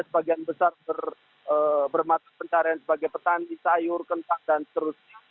sebagian besar bermata pencarian sebagai petani sayur kentang dan seterusnya